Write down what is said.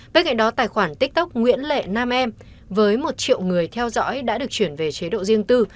bên cạnh đó tài khoản tiktok nguyễn lệ nam em với một triệu người theo dõi đã được chuyển về chế độ riêng tư